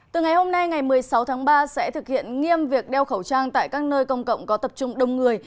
từ ngày hôm nay ngày một mươi sáu tháng ba sẽ thực hiện nghiêm việc đeo khẩu trang tại các nơi công cộng có tập trung đông người